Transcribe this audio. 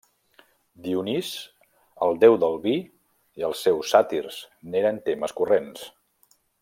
Dionís, el déu del vi, i els seus sàtirs n'eren temes corrents.